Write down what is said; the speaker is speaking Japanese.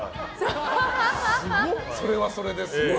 それはそれですごい。